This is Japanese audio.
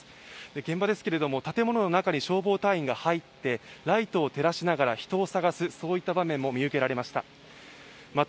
現場ですが、建物の中に消防隊員が入って、ライトを照らしながら人を探す場面も見受けられました。